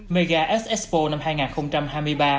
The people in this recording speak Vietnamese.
mega s expo năm hai nghìn hai mươi ba